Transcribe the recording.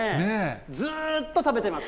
ずっと食べてます。